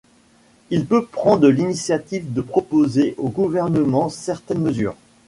Il peut prendre l'initiative de proposer au gouvernement certaines mesures.